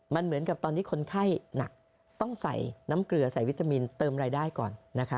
มันเหมือนกับตอนนี้คนไข้หนักต้องใส่น้ำเกลือใส่วิตามินเติมรายได้ก่อนนะคะ